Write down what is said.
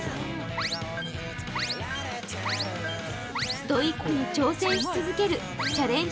ストイックに挑戦し続けるチャレンジ